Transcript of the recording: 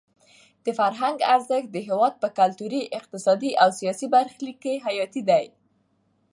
د فرهنګ ارزښت د هېواد په کلتوري، اقتصادي او سیاسي برخلیک کې حیاتي دی.